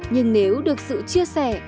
nhưng nếu được sự chia sẻ